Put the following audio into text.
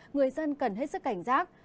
người dân cần hết sức cảnh giác